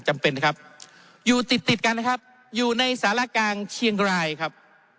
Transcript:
จำเป็นครับอยู่ติดติดกันนะครับอยู่ในสารกลางเชียงรายครับ